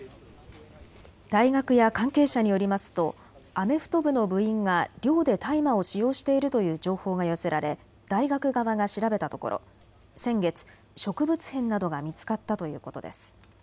大学や関係者によりますとアメフト部の部員が寮で大麻を使用しているという情報が寄せられ大学側が調べたところ先月、植物片などが見つかったということです。